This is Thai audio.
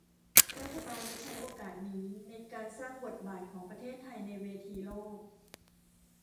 รัฐบาลจะใช้โอกาสนี้ในการสร้างบทบาทของประเทศไทยในเวทีโลก